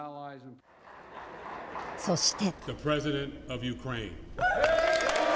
そして。